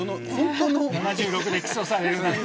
７６で起訴されるなんて。